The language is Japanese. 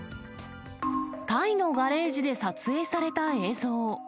タイのガレージで撮影された映像。